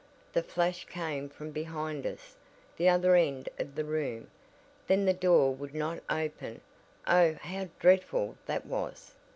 The flash came from behind us the other end of the room. Then the door would not open oh how dreadful that was!"